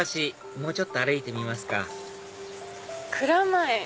もうちょっと歩いてみますか「蔵前」。